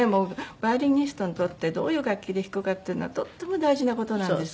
ヴァイオリニストにとってどういう楽器で弾くかっていうのはとっても大事な事なんです。